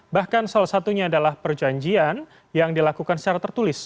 bahkan salah satunya adalah perjanjian yang dilakukan secara tertulis